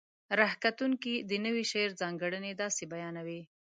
ره کتونکي د نوي شعر ځانګړنې داسې بیانوي: